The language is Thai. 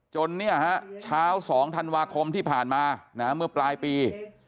เนี่ยฮะเช้า๒ธันวาคมที่ผ่านมาเมื่อปลายปี